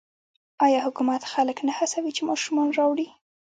آیا حکومت خلک نه هڅوي چې ماشومان راوړي؟